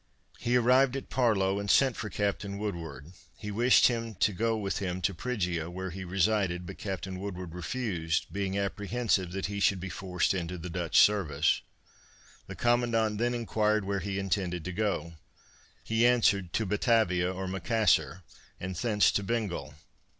He arrived at Parlow and sent for Capt. Woodward. He wished him to go with him to Priggia where he resided, but Captain Woodward refused, being apprehensive that he should be forced into the Dutch service. The commandant then enquired where he intended to go. He answered to Batavia or Macassar and thence to Bengal.